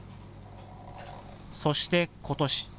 そして、ことし。